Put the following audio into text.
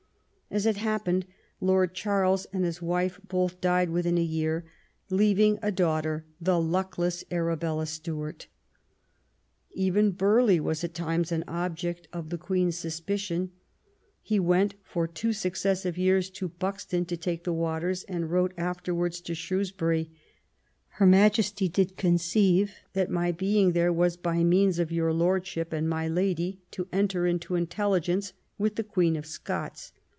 As it happened, Lord Charles and his wife both died within a year, leaving a daughter, the luckless Arabella Stuart. Even Burghley was at times an object of the Queen's suspicion. He went for two successive years to Buxton to take the waters, and wrote afterwards to Shrewsbury :'* Her Majesty did conceive that my being there was, by means of your Lordship and my Lady, to enter into intelligence with the Queen of Scots.